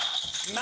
何？